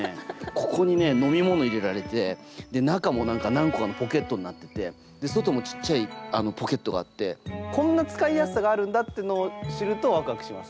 ここにね飲み物入れられて中も何個かのポケットになってて外もちっちゃいポケットがあってこんな使いやすさがあるんだっていうのを知るとワクワクします。